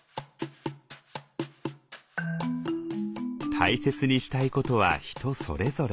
大切にしたいことは人それぞれ。